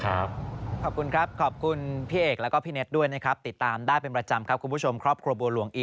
อาจจะพักก็ได้นะไม่ต้องรีบลงทุนนะครับช่วงนี้